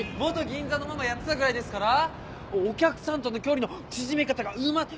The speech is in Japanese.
銀座のママやってたぐらいですからお客さんとの距離の縮め方がうま。